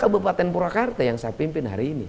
kabupaten purwakarta yang saya pimpin hari ini